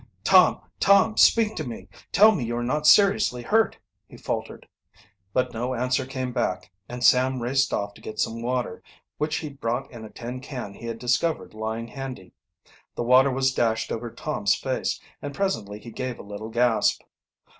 "Tom, Tom, speak to me! Tell me you are not seriously hurt!" he faltered. But no answer came back, and Sam raced off to get some water, which he brought in a tin can he had discovered lying handy. The water was dashed over Toni's face, and presently he gave a little gasp.